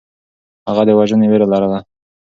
هغه د وژنې وېره لرله.